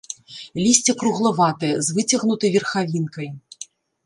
Лісце круглаватае, з выцягнутай верхавінкай.